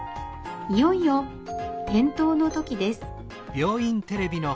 いよいよ点灯の時です」。